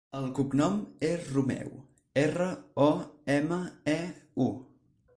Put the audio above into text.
El cognom és Romeu: erra, o, ema, e, u.